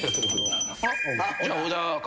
じゃあ小田かな。